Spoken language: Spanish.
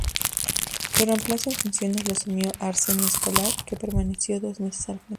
Su reemplazo en funciones lo asumió Arsenio Escolar, que permaneció dos meses al frente.